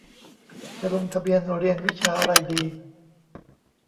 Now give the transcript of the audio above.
จะลงทะเบียนเรียนวิชาอะไรดี